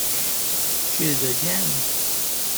She’s a gem.